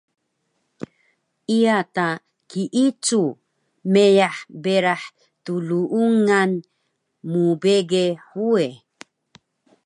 iya ta kiicu meyah berah tluungan mbege huwe